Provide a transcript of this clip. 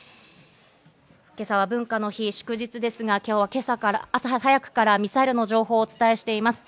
今朝は文化の日・祝日ですが、今日は朝早くからミサイルの情報をお伝えしています。